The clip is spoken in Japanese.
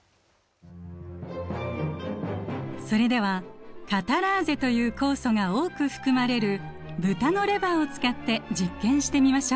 それではカタラーゼという酵素が多く含まれるブタのレバーを使って実験してみましょう。